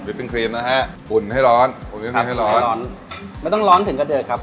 วิปปิ้งครีมนะฮะอุ่นให้ร้อนอุ่นให้ร้อนไม่ต้องร้อนถึงกระเดือดครับ